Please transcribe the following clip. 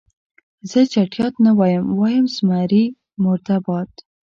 زه چټیات نه وایم، وایم زمري مرده باد.